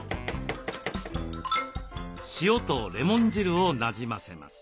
塩とレモン汁をなじませます。